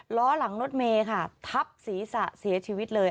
ล้อหลังรถเมย์ค่ะทับศีรษะเสียชีวิตเลย